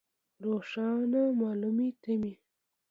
روښانه مالومې تمې.